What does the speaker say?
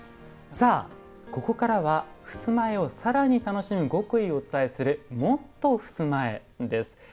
さあここからは襖絵をさらに楽しむ極意をお伝えする「もっと！“襖絵”」です。